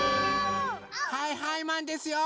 はいはいマンですよ！